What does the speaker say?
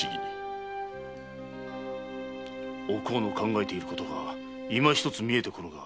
お甲の考えていることが今一つ見えてこぬが。